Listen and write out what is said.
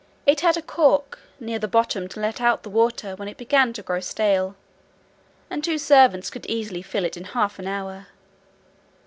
It had a cock near the bottom to let out the water, when it began to grow stale; and two servants could easily fill it in half an hour.